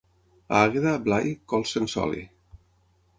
A Àgueda, Blai, cols sense oli.